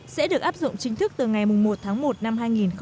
sẽ được áp dụng chính thức từ ngày một tháng một năm hai nghìn một mươi tám